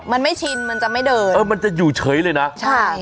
มันไม่ชินมันจะไม่เดินเออมันจะอยู่เฉยเลยนะใช่